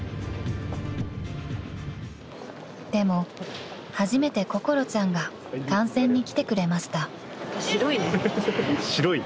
［でも初めて心ちゃんが観戦に来てくれました］